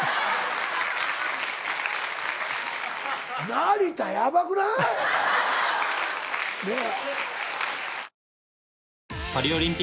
成田ヤバくない？え？